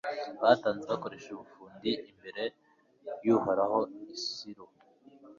batanze bakoresheje ubufindo, imbere y'uhoraho i silo